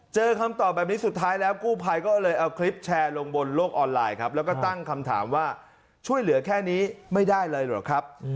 คำตอบแบบนี้สุดท้ายแล้วกู้ภัยก็เลยเอาคลิปแชร์ลงบนโลกออนไลน์ครับแล้วก็ตั้งคำถามว่าช่วยเหลือแค่นี้ไม่ได้เลยเหรอครับ